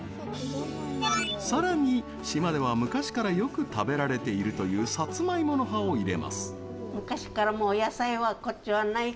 さらに、島では昔からよく食べられているというサツマイモの葉を入れます。